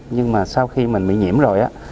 nhưng mà sau khi mình bị nhiễm rồi